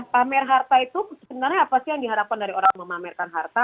pamer harta itu sebenarnya apa sih yang diharapkan dari orang memamerkan harta